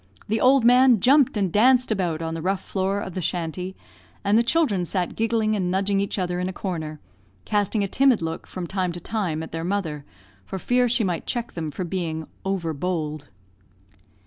The old man jumped and danced about on the rough floor of the "shanty"; and the children sat giggling and nudging each other in a corner, casting a timid look, from time to time, at their mother, for fear she might check them for being "over bould."